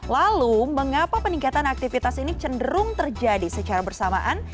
lalu mengapa peningkatan aktivitas ini cenderung terjadi secara bersamaan